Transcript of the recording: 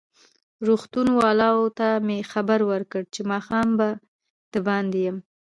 روغتون والاوو ته مې خبر ورکړ چې ماښام به دباندې یم.